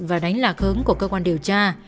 và đánh lạc hướng của cơ quan điều tra